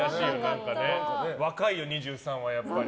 若いよ、２３はやっぱり。